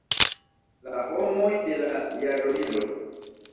La homoj de la jarmilo.